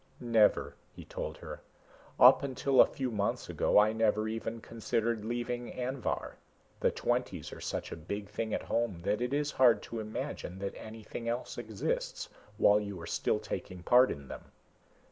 "Never," he told her. "Up until a few months ago I never even considered leaving Anvhar. The Twenties are such a big thing at home that it is hard to imagine that anything else exists while you are still taking part in them."